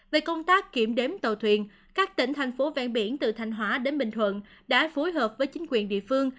về công tác kiểm đếm tàu thuyền các tỉnh thành phố ven biển từ thanh hóa đến bình thuận đã phối hợp với chính quyền địa phương